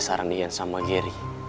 sarnian sama geri